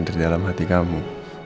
dari dalam hati kamu